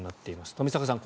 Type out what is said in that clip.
冨坂さん